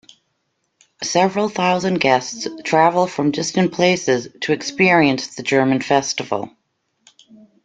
Several thousand guests travel from distant places to experience the German festival.